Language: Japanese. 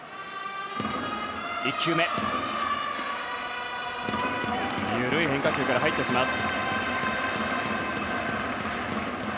１球目は緩い変化球から入ってきます。